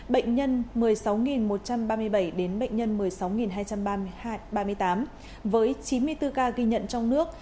bệnh nhân một mươi sáu một trăm ba mươi bảy đến bệnh nhân một mươi sáu hai trăm ba mươi tám với chín mươi bốn ca ghi nhận trong nước